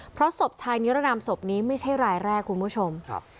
เพราะศพชายนิรนามศพนี้ไม่ใช่รายแรกคุณผู้ชมครับ